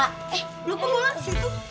eh lu kok bola sih itu